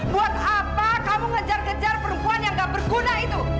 buat apa kamu ngejar kejar perempuan yang gak berguna itu